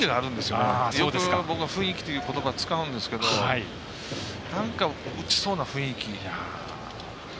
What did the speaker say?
よく雰囲気ということば、僕使うんですけどなんか打ちそうな雰囲気。